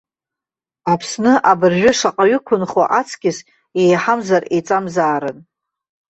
Аԥсны абыржәы шаҟаҩы ықәынхо аҵкыс еиҳамзар еиҵамзаарын.